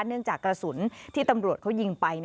เนื่องจากกระสุนที่ตำรวจเขายิงไป